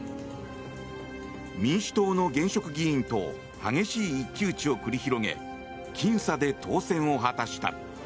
民主党の現職議員と激しい一騎打ちを繰り広げ僅差で当選を果たした。